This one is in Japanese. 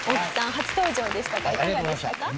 初登場でしたがいかがでしたか？